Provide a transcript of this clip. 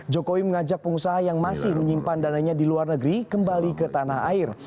jokowi mengajak pengusaha yang masih menyimpan dananya di luar negeri kembali ke tanah air